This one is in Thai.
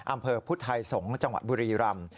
อำเภอพุทธไทยสงศ์จังหวัดบุรีรำ